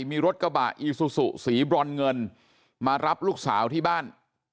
มีรถกระบะอีซูซูสีบรอนเงินมารับลูกสาวที่บ้าน